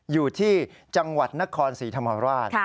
อยู่ที่จังหวัดนครศรีธรรมราช